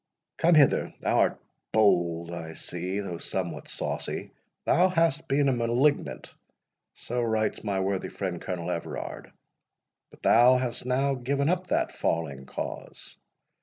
Come hither—thou art bold, I see, though somewhat saucy. Thou hast been a malignant—so writes my worthy friend Colonel Everard; but thou hast now given up that falling cause.